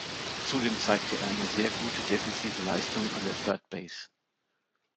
Zudem zeigte er eine sehr gute defensive Leistung an der Third Base.